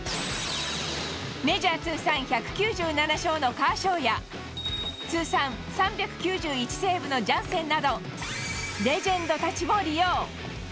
メジャー通算１９７勝のカーショーや、通算３９１セーブのジャンセンなど、レジェンドたちも利用。